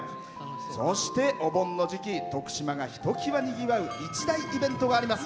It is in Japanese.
そして、お盆の時期徳島がひときわにぎわう一大イベントがあります。